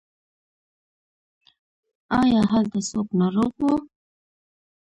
ایا هلته څوک ناروغ و؟